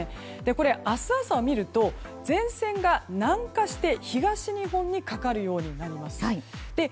これ、明日朝を見ると前線が南下して東日本にかかるようになります。